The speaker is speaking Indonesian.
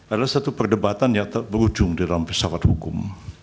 adalah satu perdebatan yang berujung di dalam pesawat hukum